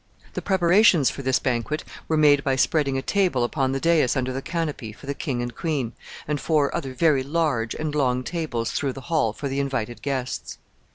The preparations for this banquet were made by spreading a table upon the dais under the canopy for the king and queen, and four other very large and long tables through the hall for the invited guests.